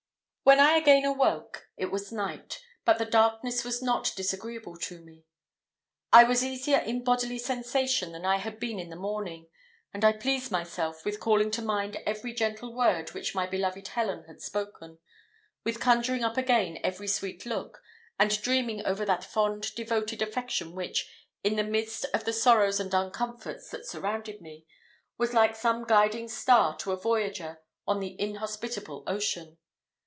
When I again awoke it was night, but the darkness was not disagreeable to me. I was easier in bodily sensation than I had been in the morning; and I pleased myself with calling to mind every gentle word which my beloved Helen had spoken, with conjuring up again every sweet look, and dreaming over that fond devoted affection which, in the midst of the sorrows and uncomforts that surrounded me, was like some guiding star to a voyager on the inhospitable ocean.